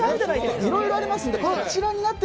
いろいろあります。